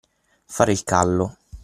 Fare il callo.